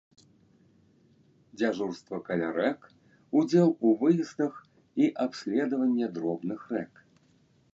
Дзяжурства каля рэк, удзел у выездах і абследаванне дробных рэк.